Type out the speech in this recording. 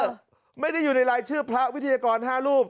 ไม่ได้อยู่ในรายชื่อพระวิทยากร๕รูป